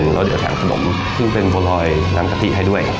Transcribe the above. แล้วเดี๋ยวแถมขนมซึ่งเป็นบัวลอยน้ำกะทิให้ด้วย